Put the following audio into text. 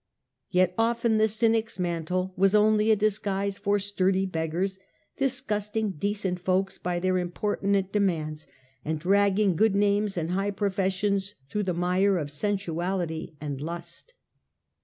Yet often the Cynic's mantle was only a disguise for sturdy beggars, disgusting decent folks by their importunate demands, and dragging good names and high professions through the mire of sensuality and lust.